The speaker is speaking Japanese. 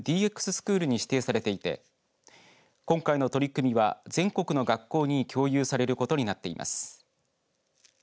スクールに指定されていて今回の取り組みは全国の学校に共有されることになっています。